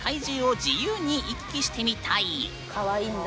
かわいいんだ。